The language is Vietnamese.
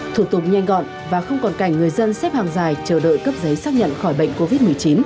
thủ tục nhanh gọn và không còn cảnh người dân xếp hàng dài chờ đợi cấp giấy xác nhận khỏi bệnh covid một mươi chín